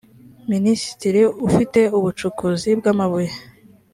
minisitiri ufite ubucukuzi bw amabuye